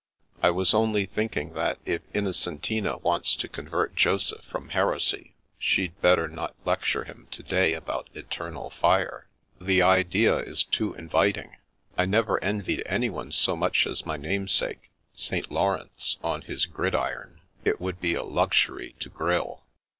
" I was only thinking that if Innocentina wants to convert Joseph from heresy she'd better not lecture him to day about eternal fire. Tlie idea is too inviting. I never envied anyone so much as my namesake, St. Laurence, on his gridiron. It would be a luxury to grill."